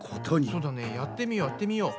そうだねやってみようやってみよう。